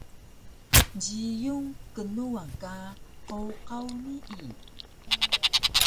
Jiyun knuwan ka qowqaw nii?